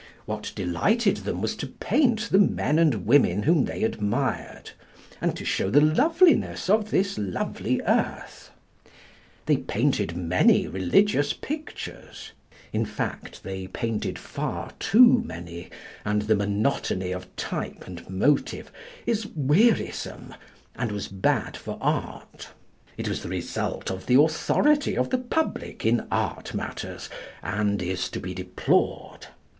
What delighted them was to paint the men and women whom they admired, and to show the loveliness of this lovely earth. They painted many religious pictures—in fact, they painted far too many, and the monotony of type and motive is wearisome, and was bad for art. It was the result of the authority of the public in art matters, and is to be deplored.